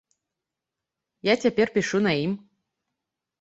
Я цяпер пішу на ім.